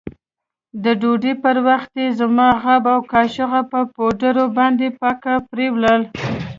د ډوډۍ پر وخت يې زما غاب او کاشوغه په پوډرو باندې پاک پرېولل.